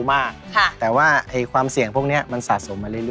เบาหวานความดันถ้าไขมันสูง